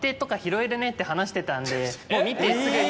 もう見てすぐに。